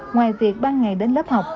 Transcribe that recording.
ngoài việc ban ngày đến lớp học